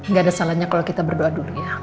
nggak ada salahnya kalau kita berdoa dulu ya